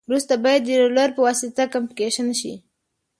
وروسته باید د رولر په واسطه کمپکشن شي